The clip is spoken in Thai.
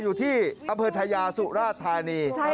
อยู่ที่อเมอร์ไทยาสุราชธานี